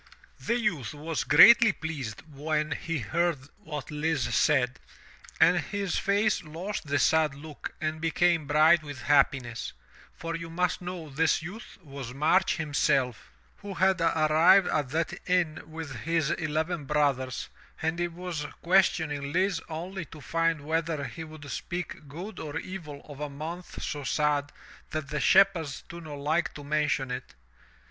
The youth was greatly pleased when he heard what Lise said, and his face lost the sad look and became bright with hap piness, for you must know this youth was March himself, who had arrived at that inn with his eleven brothers, and he was ques tioning Lise only to find whether he would speak good or evil of a month so sad that the shepherds do not like to mention it.